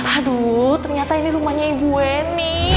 aduh ternyata ini rumahnya ibu weni